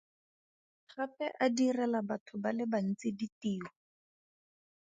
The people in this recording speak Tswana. Gape a direla batho ba le bantsi ditiro.